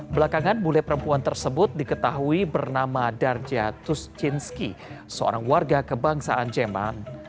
belakangan bule perempuan tersebut diketahui bernama darja tuschinski seorang warga kebangsaan jeman